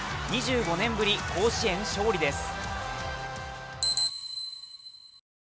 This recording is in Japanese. ２５年ぶり、甲子園勝利です。